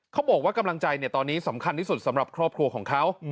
เขาบอกว่ากำลังใจตอนนี้สำคัญที่สุดสำหรับครอบครัวของเขา